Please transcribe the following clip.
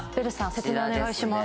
説明お願いします